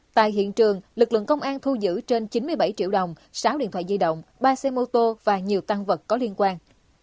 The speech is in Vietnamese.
tại hiện trường lực lượng công an thu giữ trên chín mươi bảy triệu đồng sáu điện thoại di động ba xe mô tô và nhiều tăng vật có liên quan